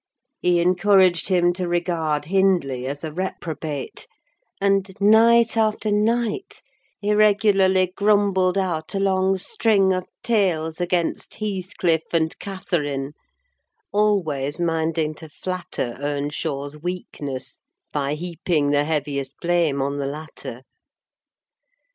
He encouraged him to regard Hindley as a reprobate; and, night after night, he regularly grumbled out a long string of tales against Heathcliff and Catherine: always minding to flatter Earnshaw's weakness by heaping the heaviest blame on the latter.